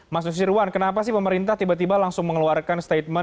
mas nusirwan kenapa sih pemerintah tiba tiba langsung mengeluarkan statement